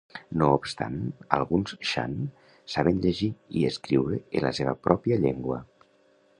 No obstant, alguns Shan saben llegir i escriure en la seva pròpia llengua.